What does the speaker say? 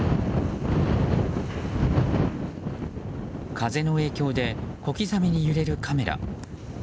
風の影響で小刻みに揺れるカメラ。